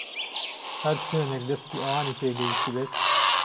هەر شوێنێک دەستی ئەوانی پێگەیشتبێت